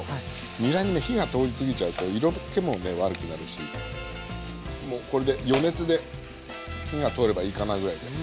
にらにね火が通り過ぎちゃうと色けもね悪くなるしもうこれで余熱で火が通ればいいかなぐらいで。